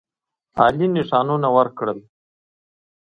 عالي نښانونه ورکړل.